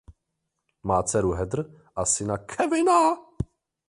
Má dceru Heather a syna Kevina.